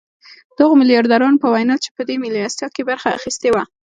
د هغو ميلياردرانو په وينا چې په دې مېلمستيا کې يې برخه اخيستې وه.